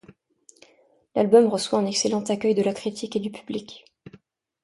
L'album reçoit un excellent accueil de la critique et du public.